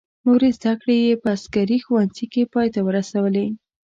نورې زده کړې یې په عسکري ښوونځي کې پای ته ورسولې.